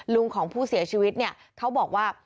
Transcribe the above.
ลุงของผู้เสียชีวิตเนี่ยเขาบอกว่า